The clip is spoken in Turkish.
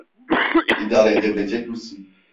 İdare edebilecek misin?